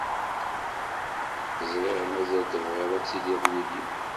Ẓriɣ mazal tebɣiḍ ad tiliḍ yid-i.